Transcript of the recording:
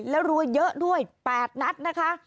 แล้วรัวเยอะด้วย๘นัดนะคะ